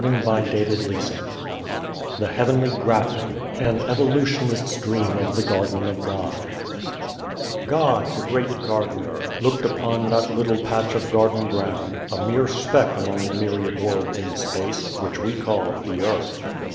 60 THE HEAVENLY GRAFTING THE HEAVENLY GRAT IN AN EVOLUTIONISTS DREAM OF THE GARDEN OF GOD GOD, the great Gardener, looked upon that little patch of garden ground a mere speck among the myriad worlds in space which we call the earth.